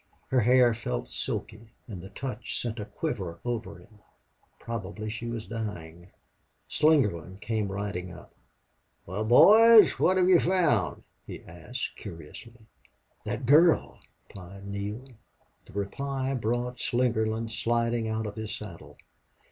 Her hair felt silky, and the touch sent a quiver over him. Probably she was dying. Slingerland came riding up. "Wal, boys, what hev you found?" he asked, curiously. "That girl," replied Neale. The reply brought Slingerland sliding out of his saddle.